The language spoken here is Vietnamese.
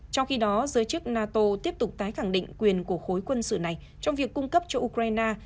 trong khi đó giới chức nato tiếp tục tái khẳng định quyền của khối quân sự này trong việc cung cấp cho ukraine